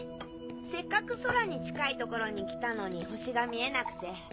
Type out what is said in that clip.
せっかく空に近い所に来たのに星が見えなくて。